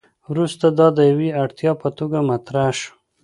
وروسته دا د یوې اړتیا په توګه مطرح شو.